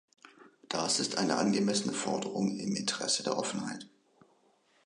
Das ist eine angemessene Forderung im Interesse der Offenheit.